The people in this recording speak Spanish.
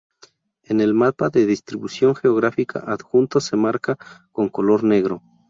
En el mapa de distribución geográfica adjunto se marca con color negro.